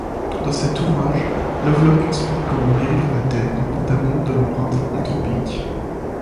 Dans cet ouvrage, Lovelock explique comment guérir la Terre, notamment de l'empreinte anthropique.